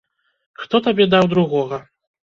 Хто табе даў другога?